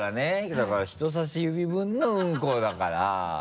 だから人さし指分のうんこだから。